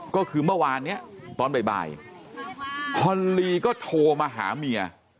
ก็คือเมื่อวานนี้ตอนบ่ายฮอนลีก็โทรมาหาเมีย